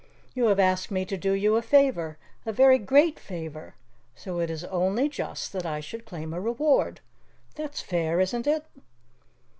"You have asked me to do you a favor a very great favor so it is only just that I should claim a reward. That's fair, isn't it?"